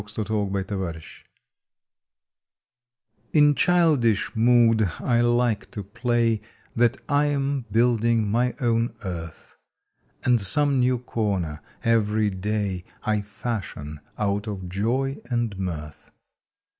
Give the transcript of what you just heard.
July Twenty fourth THE BUILDER TN childish mood I like to pla^ That I am building my own earth, And some new corner every day I fashion out of joy and mirth.